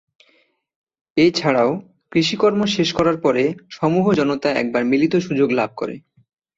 এ ছাড়াও কৃষি কর্ম শেষ করার পরে সমূহ জনতা একবার মিলিত সুযোগ লাভ করে।